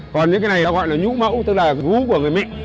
còn những cái này nó gọi là nhũ mẫu tức là vũ của người mỹ